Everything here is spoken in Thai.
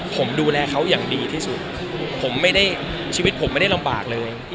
ผมดูแลเขาอย่างดีที่สุดผมไม่ได้ชีวิตผมไม่ได้ลำบากเลย